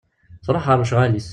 Truḥ ɣer lecɣal-is.